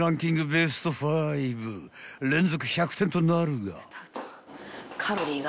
ベスト５連続１００点となるが］